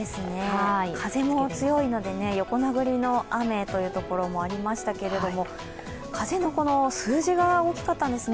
風も強いので、横殴りの雨というところもありましたけれども、風の数字が大きかったんですね。